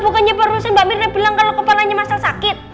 bukannya perlu mbak mirna bilang ke lo kepalanya masalah sakit